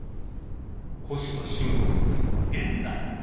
古芝伸吾君です